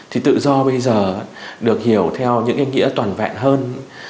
thì tự do bây giờ được hiểu theo những ý nghĩa toàn vẹn hơn